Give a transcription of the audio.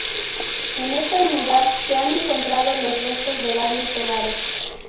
En esta unidad se han encontrado los restos de varios hogares.